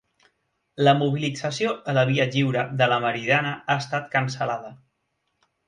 La mobilització a la Via Lliure de la Meridiana ha estat cancel·lada